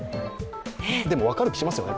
でも、分かる気しますよね。